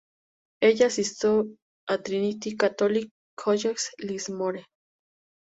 Ella asistió a Trinity Catholic College, Lismore.